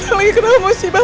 orang lagi kenal musibah